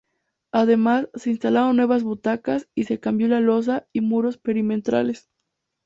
Además, se instalaron nuevas butacas, y se cambió la losa y muros perimetrales.